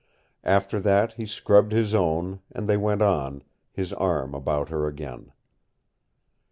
After that he scrubbed his own, and they went on, his arm about her again.